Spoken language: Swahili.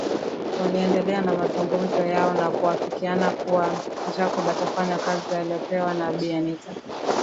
waliendelea na mazungumzo yao na kuafikiana kua Jacob atafanya kazi alopewa na bi anita